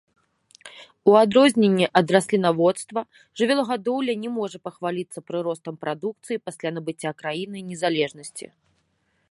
У адрозненні ад раслінаводства, жывёлагадоўля не можа пахваліцца прыростам прадукцыі пасля набыцця краінай незалежнасці.